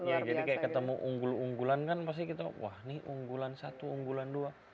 iya jadi kayak ketemu unggul unggulan kan pasti kita wah ini unggulan satu unggulan dua